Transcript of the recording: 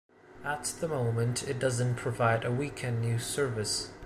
At the moment it doesn't provide a weekend news service.